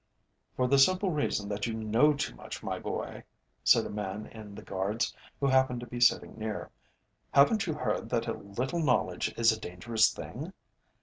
"For the simple reason that you know too much, my boy," said a man in the Guards, who happened to be sitting near. "Haven't you heard that a little knowledge is a dangerous thing?